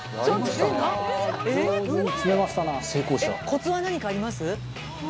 コツは何かあります？